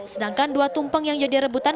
sedangkan dua tumpeng yang jadi rebutan